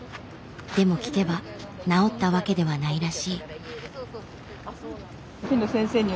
でも聞けば治ったわけではないらしい。